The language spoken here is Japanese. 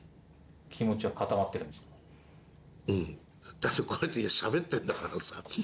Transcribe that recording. だってこうやってしゃべってんだからさ。